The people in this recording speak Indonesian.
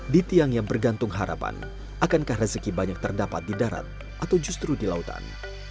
di tiang yang bergantung harapan akankah rezeki banyak terdapat di darat atau justru di lautan